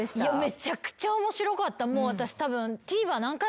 めちゃくちゃ面白かった私たぶん。